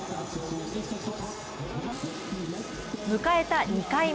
迎えた２回目。